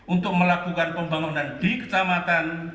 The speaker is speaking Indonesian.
untuk melakukan pembangunan di kecamatan